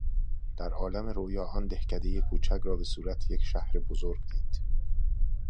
در عالم رویا آن دهکدهی کوچک را به صورت یک شهر بزرگ دید.